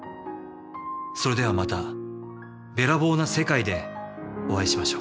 それではまたべらぼうな世界でお会いしましょう。